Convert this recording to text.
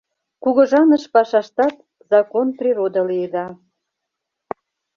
Кугыжаныш пашаштат закон-природа лиеда.